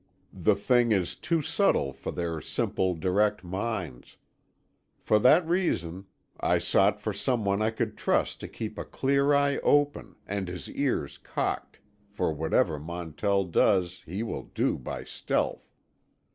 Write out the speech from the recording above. The thing is too subtle for their simple, direct minds. For that reason, I sought for some one I could trust to keep a clear eye open, and his ears cocked; for whatever Montell does he will do by stealth.